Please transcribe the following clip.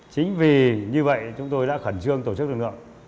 chính vì như vậy chúng tôi đã khẩn trương tổ chức lực lượng